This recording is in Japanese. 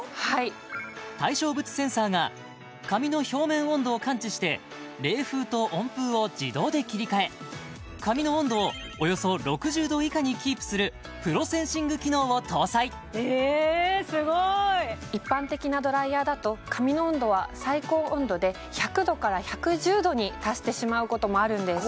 対象物センサーが髪の表面温度を感知して冷風と温風を自動で切り替え髪の温度をおよそ６０度以下にキープするプロセンシング機能を搭載えすごい一般的なドライヤーだと髪の温度は最高温度で１００度から１１０度に達してしまうこともあるんです